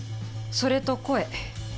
それと声。